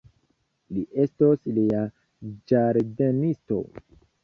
Li estos lia ĝardenisto.